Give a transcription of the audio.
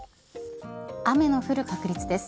雨の降る確率です。